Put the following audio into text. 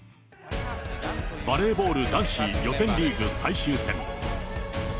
バレーボール男子予選リーグ最終戦。